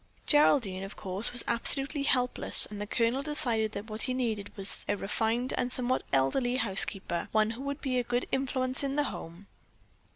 Geraldine, of course, was absolutely helpless and the Colonel decided that what he needed was a refined and somewhat elderly housekeeper, one who would be a good influence in the home.